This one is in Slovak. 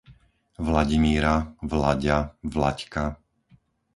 Vladimíra, Vlaďa, Vlaďka